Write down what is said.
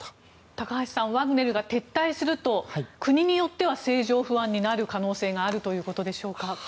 高橋さんワグネルが撤退すると国によっては政情不安になる可能性があるということでしょうか。